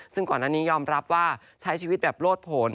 ซึ่งก่อนอันนี้ยอมรับว่าใช้ชีวิตแบบโลดผล